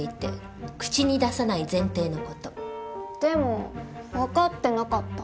でも分かってなかった。